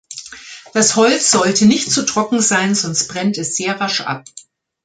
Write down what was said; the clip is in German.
Das Holz sollte nicht zu trocken sein, sonst brennt es sehr rasch ab.